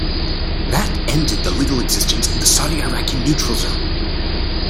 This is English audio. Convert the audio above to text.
That ended the legal existence of the Saudi-Iraqi neutral zone.